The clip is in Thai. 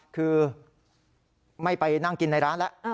คือไม่ไปนั่งกินในร้านแล้ว